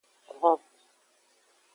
Hon.